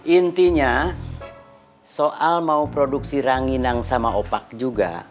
intinya soal mau produksi ranginang sama opak juga